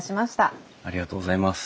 ありがとうございます。